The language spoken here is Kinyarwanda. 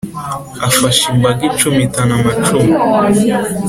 afasha imbaga icumitana amacumu